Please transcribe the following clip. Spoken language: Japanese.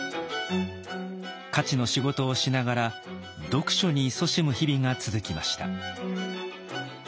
徒の仕事をしながら読書にいそしむ日々が続きました。